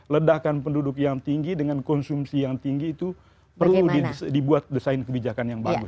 ledakan penduduk yang tinggi dengan konsumsi yang tinggi itu perlu dibuat desain kebijakan yang bagus